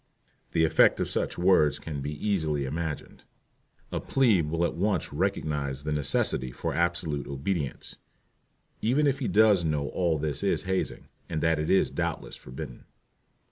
The effect of such words can be easily imagined. A "plebe" will at once recognize the necessity for absolute obedience, even if he does know all this is hazing, and that it is doubtless forbidden.